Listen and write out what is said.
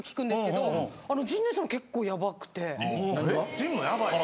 陣もヤバいの？